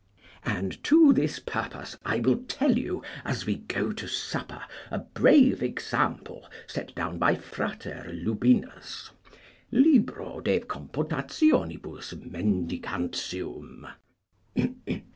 And to this purpose I will tell you, as we go to supper, a brave example set down by Frater Lubinus, Libro de compotationibus mendicantium.